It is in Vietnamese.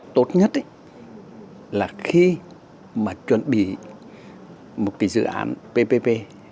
tốt nhất là khi mà chuẩn bị một cái dự án ppp